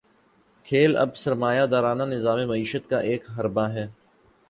کھیل اب سرمایہ دارانہ نظام معیشت کا ایک حربہ ہے۔